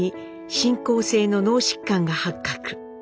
進行性の脳疾患が発覚。